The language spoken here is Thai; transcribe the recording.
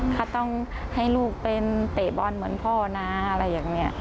ถ้าต้องให้ลูกเป็นเตะบอลเหมือนพ่อนะอะไรอย่างนี้